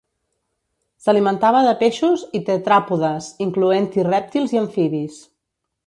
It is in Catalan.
S'alimentava de peixos i tetràpodes, incloent-hi rèptils i amfibis.